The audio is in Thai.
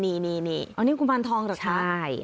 อันนี้กุมารทองหรือครับ